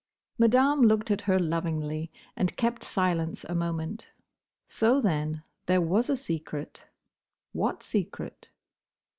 Madame looked at her lovingly, and kept silence a moment. So, then, there was a secret? What secret?